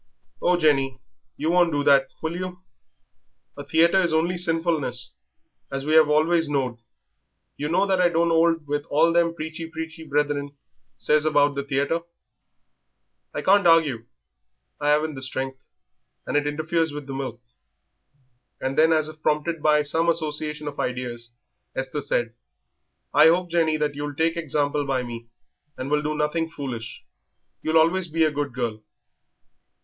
"Oh, Jenny, you won't do that, will you? A theatre is only sinfulness, as we 'ave always knowed." "You know that I don't 'old with all them preachy preachy brethren says about the theatre." "I can't argue I 'aven't the strength, and it interferes with the milk." And then, as if prompted by some association of ideas, Esther said, "I hope, Jenny, that you'll take example by me and will do nothing foolish; you'll always be a good girl."